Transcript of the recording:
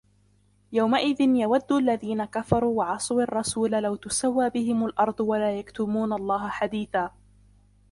يَوْمَئِذٍ يَوَدُّ الَّذِينَ كَفَرُوا وَعَصَوُا الرَّسُولَ لَوْ تُسَوَّى بِهِمُ الْأَرْضُ وَلَا يَكْتُمُونَ اللَّهَ حَدِيثًا